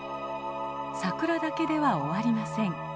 桜だけでは終わりません。